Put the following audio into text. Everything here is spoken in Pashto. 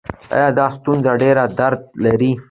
ایا دا ستنه ډیر درد لري؟